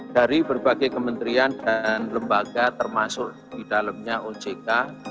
dari berbagai kementerian dan lembaga termasuk di dalamnya ojk